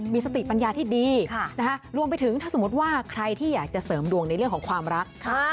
มีสติปัญญาที่ดีรวมไปถึงถ้าสมมติว่าใครที่อยากจะเสริมดวงในเรื่องของความรัก